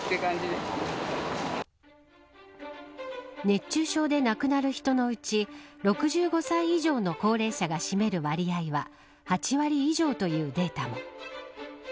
熱中症で亡くなる人のうち６５歳以上の高齢者が占める割合は８割以上というデータも。